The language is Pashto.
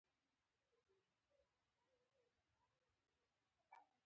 د صداقت ساتنه د عزت دروازه ده.